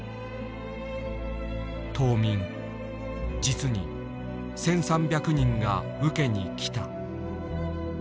島民実に１，３００人が受けに来た。